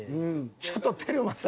ちょっとテルマさん。